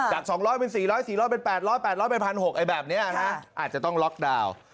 จาก๒๐๐เป็น๔๐๐๔๐๐เป็น๘๐๐๘๐๐เป็น๑๖๐๐แบบนี้นะอาจจะต้องล็อกดาวน์